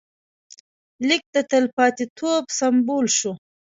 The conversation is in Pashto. لیک د تلپاتېتوب سمبول شو.